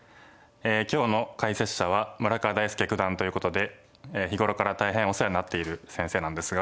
今日の解説者は村川大介九段ということで日頃から大変お世話になっている先生なんですが。